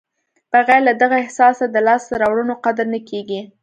بغیر له دغه احساسه د لاسته راوړنو قدر نه کېږي.